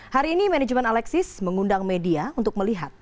hari ini manajemen alexis mengundang media untuk melihat